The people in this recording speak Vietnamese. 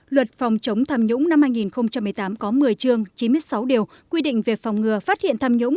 luật phòng chống tham nhũng năm hai nghìn một mươi tám có một mươi chương chín mươi sáu điều quy định về phòng ngừa phát hiện tham nhũng